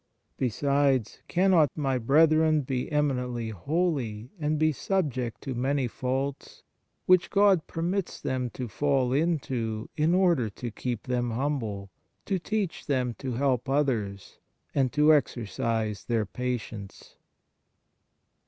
Besides, cannot my brethren be eminently holy and be subject to many faults, which God permits them to fall into in order to keep them humble, to teach them to help others, and to exercise their patience?"